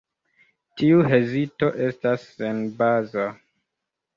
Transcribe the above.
Tiu hezito estas senbaza.